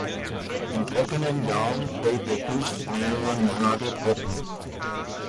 In trockenen Jahren fällt der Fluss mehrere Monate trocken.